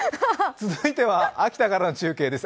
続いては、秋田からの中継です。